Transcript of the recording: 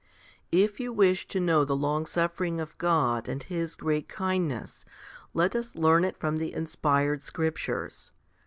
20. If you wish to know the longsuffering of God and His great kindness, let us learn it from the inspired scriptures.